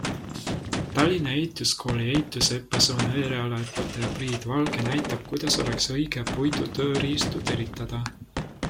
Tallinna Ehituskooli ehituse õppesuuna erialaõpetaja Priit Valge näitab, kuidas oleks õige puidutööriistu teritada.